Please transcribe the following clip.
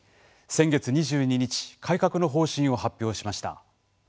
先月２２日改革の方針を発表しました。